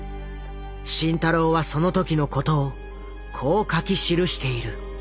慎太郎はその時のことをこう書き記している。